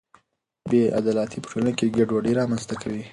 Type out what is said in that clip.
بې عدالتي په ټولنه کې ګډوډي رامنځته کوي.